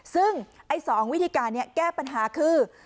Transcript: ซึ่งไอ้๒วิธีการนี้แก้ปัญหาคือ